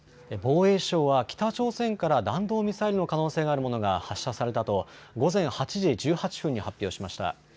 防衛省は北朝鮮から弾道ミサイルの可能性があるものが発射されたと午前８時１８分に発表しました。